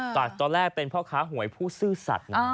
จากตอนแรกเป็นพ่อค้าหวยผู้ซื่อสัตว์นะ